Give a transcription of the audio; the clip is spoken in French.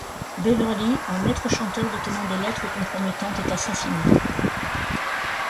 Beverly, un maître chanteur détenant des lettres compromettantes, est assassiné.